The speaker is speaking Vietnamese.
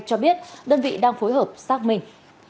cho biết đơn vị đang phối hợp xác minh